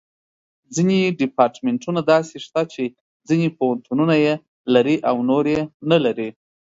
ځینې ډیپارټمنټونه داسې شته چې ځینې پوهنتونونه یې لري او نور یې نه لري.